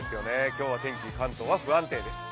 今日は天気、関東は不安定です。